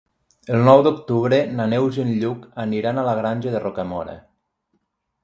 El nou d'octubre na Neus i en Lluc aniran a la Granja de Rocamora.